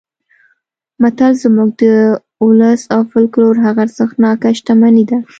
متل زموږ د ولس او فولکلور هغه ارزښتناکه شتمني ده